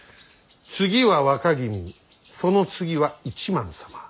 次は若君その次は一幡様。